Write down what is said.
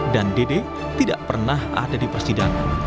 dan dede tidak pernah ada di persidangan